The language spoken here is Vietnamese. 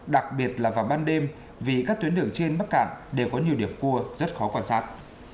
đặc biệt là vào ban đêm vì các tuyến đường trên bắc cạn đều có nhiều điểm cua rất khó quan sát